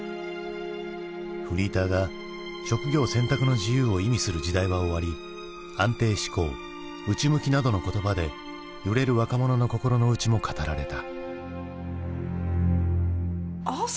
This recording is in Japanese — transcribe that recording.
フリーターが職業選択の自由を意味する時代は終わり安定志向内向きなどの言葉で揺れる若者の心の内も語られた。